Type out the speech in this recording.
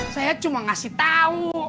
saya cuma ngasih tahu